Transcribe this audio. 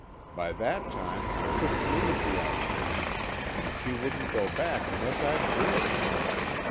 By that time I couldn't leave the outfit, and she wouldn't go back unless I did.